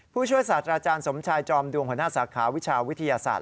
ผู้ช่วยศาสตราอาจารย์สมชายจอมดวงหัวหน้าสาขาวิชาวิทยาศาสตร์